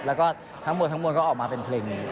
แล้วก็ทั้งหมดทั้งมวลก็ออกมาเป็นเพลงนี้